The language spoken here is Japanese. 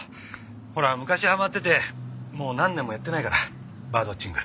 ほら昔はまっててもう何年もやってないからバードウォッチング。